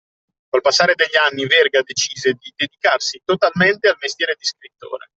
Col passare degli anni Verga decise di dedicarsi totalmente al mestiere di scrittore.